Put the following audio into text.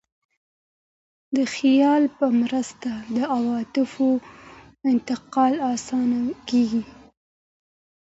د خیال په مرسته د عواطفو انتقال اسانه کېږي.